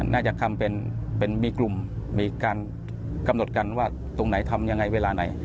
น่าจะทำเป็นมีกลุ่มมีการกำหนดกันว่าตรงไหนทำยังไงเวลาไหน